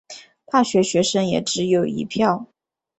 大学学生也只有一票